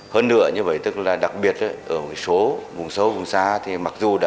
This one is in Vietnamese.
hơn nữa như vậy tức là đặc biệt ở một số vùng sâu vùng xa thì mặc dù đã